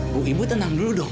bu ibu tenang dulu dong